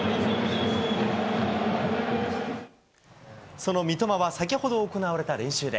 その三笘は先ほど行われた練習で。